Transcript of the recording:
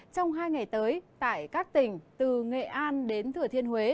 trong hai ngày tới tại các tỉnh từ nghệ an đến thừa thiên huế